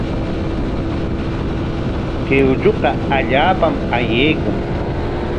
Kay uchuqa allaapam ayaykun.